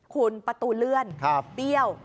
คุณประตูเลื่อนเบี้ยว